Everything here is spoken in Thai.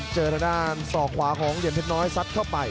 เจอทางด้านศอกขวาของเหรียญเพชรน้อยซัดเข้าไป